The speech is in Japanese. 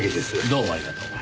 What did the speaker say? どうもありがとう。